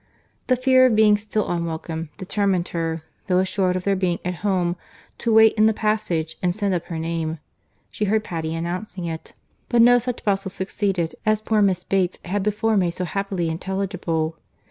—The fear of being still unwelcome, determined her, though assured of their being at home, to wait in the passage, and send up her name.—She heard Patty announcing it; but no such bustle succeeded as poor Miss Bates had before made so happily intelligible.